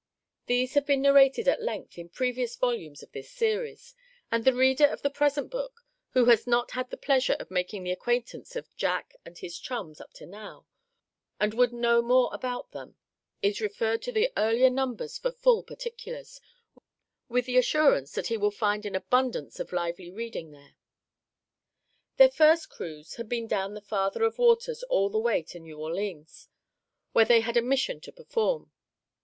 These have been narrated at length in previous volumes of this Series, and the reader of the present book, who has not had the pleasure of making the acquaintance of Jack and his chums up to now, and would know more about them, is referred to the earlier numbers for full particulars, with the assurance that he will find an abundance of lively reading there. Their first cruise had been down the Father of Waters all the way to New Orleans, where they had a mission to perform.